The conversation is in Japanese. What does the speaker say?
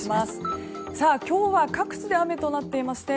今日は各地で雨となっていまして